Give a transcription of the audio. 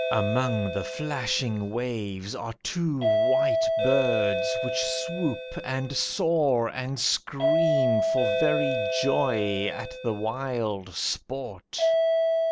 Among the flashing waves are two white birds Which swoop, and soar, and scream for very joy At the wild sport.